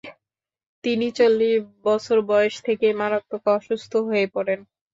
তিনি চল্লিশ বছর বয়স থেকেই মারাত্মক অসুস্থ হয়ে পড়েন।